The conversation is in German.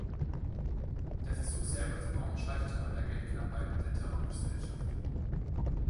Der Versuch selber zu bauen scheiterte an der Geldknappheit der Terraingesellschaft.